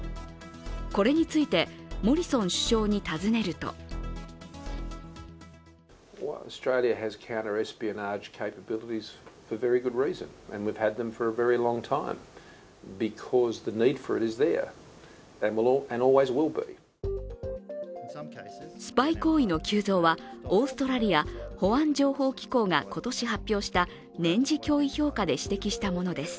これについてモリソン首相に尋ねるとスパイ行為の急増はオーストラリア保安情報機構が今年発表した年次脅威評価で指摘したものです。